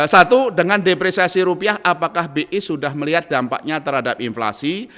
satu dengan depresiasi rupiah apakah bi sudah melihat dampaknya terhadap inflasi